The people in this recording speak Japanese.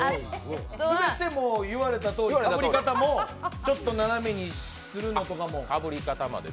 全て言われたとおり、かぶり方もちょっと斜めにしたりとか。